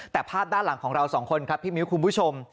แต่ภาพด้านหลังของเราสองคนครับพี่มิ้วคุณผู้ชม